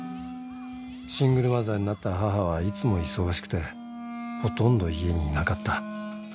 シングルマザーになった母はいつも忙しくてほとんど家にいなかった